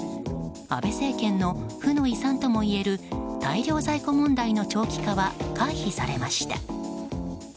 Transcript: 安倍政権の負の遺産ともいえる大量在庫問題の長期化は回避されました。